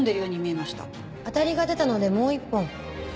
当たりが出たのでもう一本。